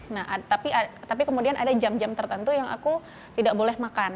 nah tapi kemudian ada jam jam tertentu yang aku tidak boleh makan